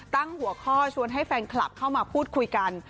ตั้งหัวข้อชวนให้แฟนคลับเข้ามาพูดคุยกัน